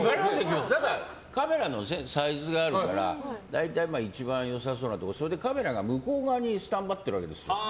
何かカメラのサイズがあるから大体一番良さそうなところそれでカメラが向こう側にスタンバってるわけです。